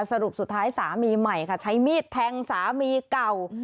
สรุปสุดท้ายสามีใหม่ค่ะใช้มีดแทงสามีเก่า